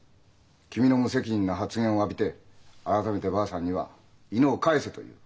君の無責任な発言をわびて改めてばあさんには「犬を返せ」と言う。